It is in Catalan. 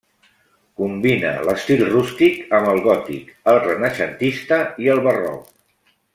Combina l'estil rústic amb el gòtic, el renaixentista i el barroc.